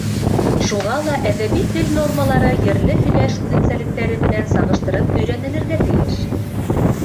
Шуға ла әҙәби тел нормалары ерле һөйләш үҙенсәлектәре менән сағыштырып өйрәнелергә тейеш.